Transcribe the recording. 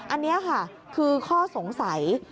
อันนี้ค่ะคือข้อสงสัย